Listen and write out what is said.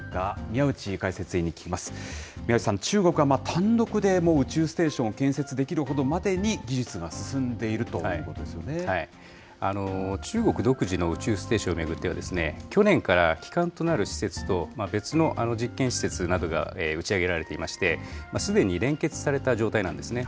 宮内さん、中国は単独で宇宙ステーションを建設できるほどまでに技術が進ん中国独自の宇宙ステーションを巡っては、去年から基幹となる施設と、別の実験施設などが打ち上げられていまして、すでに連結された状態なんですね。